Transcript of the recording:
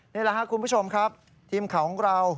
นี่แหละค่ะคุณผู้ชมครับทีมของเรา